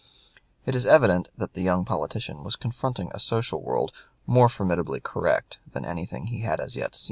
It is evident that the young politician was confronting a social world more formidably correct than anything he had as yet seen.